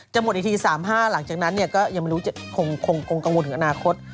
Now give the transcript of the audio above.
หมดอีกที๓๕หลังจากนั้นก็ยังไม่รู้คงกังวลถึงอนาคต